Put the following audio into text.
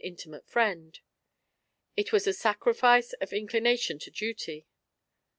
17 intimate friend; it was a sacrifice of inclination to duty.